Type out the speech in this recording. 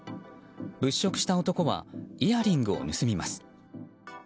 物色した男はイヤリングを盗みます。